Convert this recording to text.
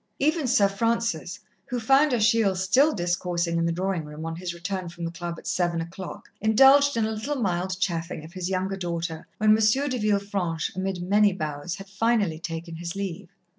Even Sir Francis, who found Achille still discoursing in the drawing room on his return from the Club at seven o'clock, indulged in a little mild chaffing of his younger daughter when M. de Villefranche amid many bows, had finally taken his leave.